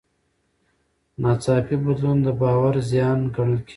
ناڅاپي بدلون د باور زیان ګڼل کېږي.